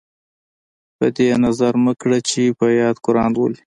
په دې یې نظر مه کړه چې په یاد قران لولي.